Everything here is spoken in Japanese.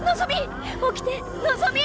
起きてのぞみ！